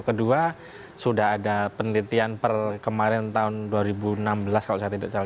kedua sudah ada penelitian per kemarin tahun dua ribu enam belas kalau saya tidak salah